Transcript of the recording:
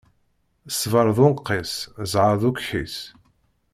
Ṣṣbeṛ d unqis, ẓẓheṛ d ukḥis.